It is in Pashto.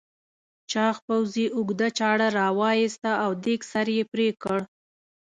چاغ پوځي اوږده چاړه راوایسته او دېگ سر یې پرې کړ.